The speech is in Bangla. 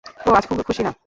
ও আজ খুব খুশি না!